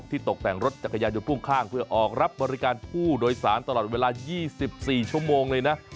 ตกแต่งรถจักรยานยนต์พ่วงข้างเพื่อออกรับบริการผู้โดยสารตลอดเวลา๒๔ชั่วโมงเลยนะ